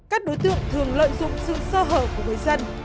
các đối tượng thường lợi dụng sự sơ hở của người dân